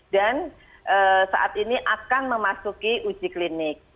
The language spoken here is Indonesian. saat ini akan memasuki uji klinik